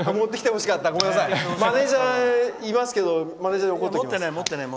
マネージャーいますけどマネージャーに怒っときます。